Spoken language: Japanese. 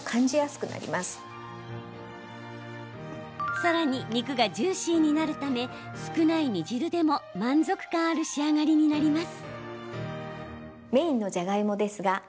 さらに肉がジューシーになるため少ない煮汁でも満足感ある仕上がりになります。